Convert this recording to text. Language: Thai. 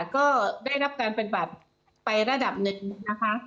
ก็ได้รับการปฏิบัติไประดับหนึ่งนะคะ